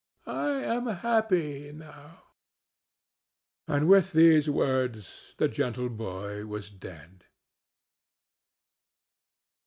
I am happy now;" and with these words the gentle boy was dead.